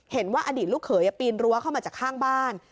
เห็นว่าอดีตลูกเขยปีนรั้วเข้ามาจากข้างบ้าน